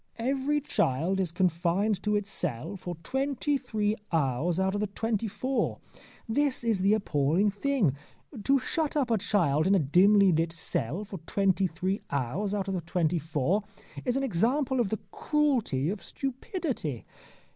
Every child is confined to its cell for twenty three hours out of the twenty four. This is the appalling thing. To shut up a child in a dimly lit cell for twenty three hours out of the twenty four is an example of the cruelty of stupidity.